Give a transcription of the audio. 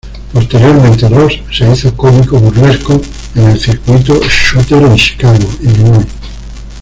Posteriormente Ross se hizo cómico burlesco en el circuito Schuster en Chicago, Illinois.